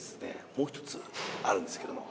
もう１つあるんですけども。